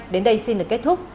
đến đây xin được kết thúc